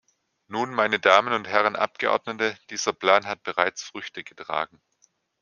Nun, meine Damen und Herren Abgeordnete, dieser Plan hat bereits Früchte getragen.